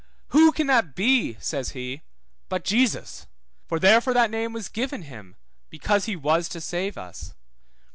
Who can that be, says he, but Jesus? For therefore that name was given him because he was to save us.